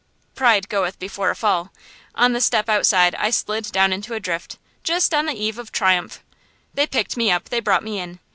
Pride goeth before a fall. On the step outside I slid down into a drift, just on the eve of triumph. They picked me up; they brought me in.